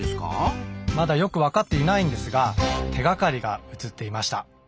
まだよくわかっていないんですが手がかりが写っていました。